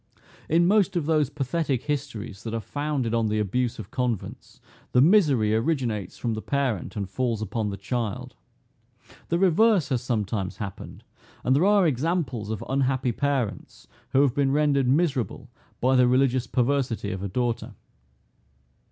In most of those pathetic histories that are founded on the abuse of convents, the misery originates from the parent, and falls upon the child. The reverse has sometime happened; and there are examples of unhappy parents, who have been rendered miserable by the religious perversity of a daughter.